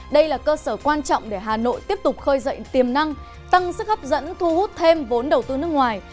đây là cơ sở quan trọng để hà nội tiếp tục khơi dậy tiềm năng tăng sức hấp dẫn thu hút thêm vốn đầu tư nước ngoài